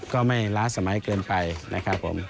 ก็ไม่ล้าสมัยเกินไปนะครับผม